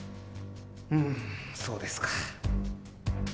うんそうですか。